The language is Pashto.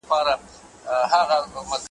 د افغان جرمن په ویب سایټ کي `